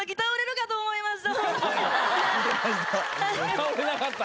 倒れなかった。